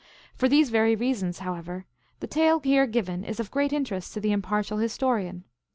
For these very reasons, however, the tale here given is of great interest to the impartial historian.